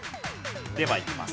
ではいきます。